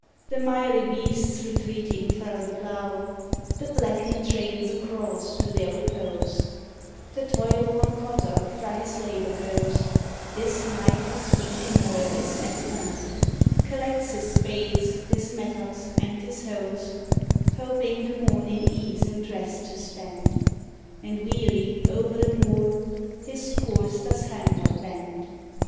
301 The miry beasts retreating frae the pleugh, The blackening trains o' craws to their re pose ; The toil worn cotter frae his labor goes, — This night his weekly moil is at an end,— Collects his spades, his mattocks, and his hoes, Hoping the morn in ease and rest to spend, And weary, o'er the moor, his course does hame ward bend.